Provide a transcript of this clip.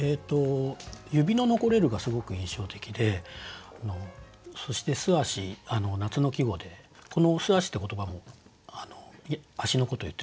「指の残れる」がすごく印象的でそして「素足」夏の季語でこの素足って言葉も足のことを言ってますよね。